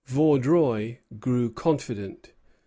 Vaudreuil grew confident.